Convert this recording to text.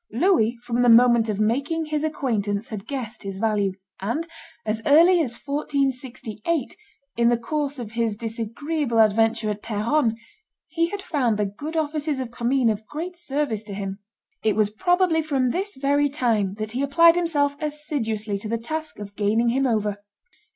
Louis, from the moment of making his acquaintance, had guessed his value; and as early as 1468, in the course of his disagreeable adventure at Peronne, he had found the good offices of Commynes of great service to him. It was probably from this very time that he applied himself assiduously to the task of gaining him over.